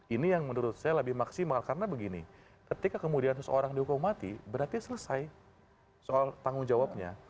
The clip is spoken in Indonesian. ini yang menurut saya lebih maksimal karena begini ketika kemudian seseorang dihukum mati berarti selesai soal tanggung jawabnya